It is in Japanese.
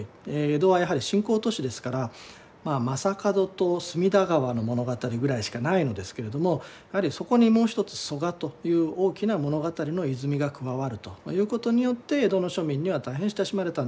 江戸はやはり新興都市ですから将門と隅田川の物語ぐらいしかないのですけれどもやはりそこにもう一つ曽我という大きな物語の泉が加わるということによって江戸の庶民には大変親しまれたんではないかと思います。